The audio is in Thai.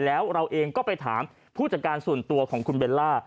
แล้วเราเองก็ไปถามผู้จัดการส่วนตัวของคุณเบลล่า